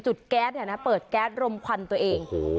จุดแก๊สเปิดแก๊สรมควันตัวเอง